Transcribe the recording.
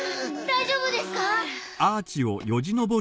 大丈夫ですか？